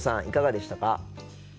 いかがでしたか？